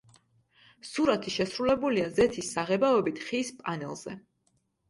სურათი შესრულებულია ზეთის საღებავებით ხის პანელზე.